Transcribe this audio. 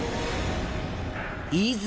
いざ。